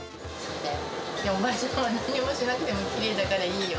おばちゃんはなんにもしなくてもきれいだからいいよ。